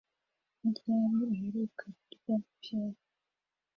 Ni ryari uheruka kurya paella?